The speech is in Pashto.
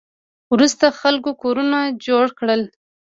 وروسته خلکو کورونه جوړ کړل